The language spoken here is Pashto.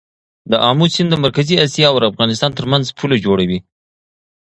د امو سیند د مرکزي اسیا او افغانستان ترمنځ پوله جوړوي.